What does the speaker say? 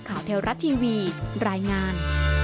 ข่าวเทลรัตน์ทีวีรายงาน